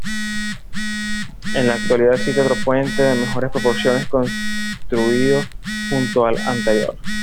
En la actualidad existe otro puente de mejores proporciones construido junto al anterior.